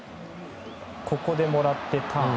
ここでもらって、ターン。